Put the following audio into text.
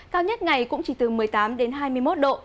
cao nhất ngày cũng chỉ từ một mươi tám đến hai mươi một độ